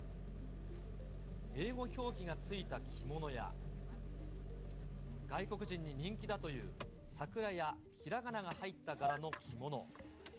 英語表記がついた着物や、外国人に人気だという桜やひらがなが入った柄の着物。